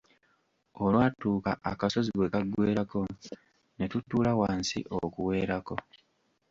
Olwatuuka akasozi we kaggweerako ne tutuula wansi okuweerako.